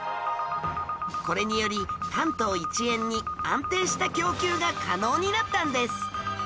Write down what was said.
これにより関東一円に安定した供給が可能になったんです